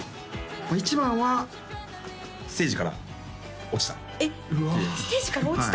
一番はステージから落ちたえっステージから落ちた？